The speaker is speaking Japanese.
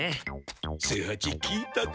清八聞いたか？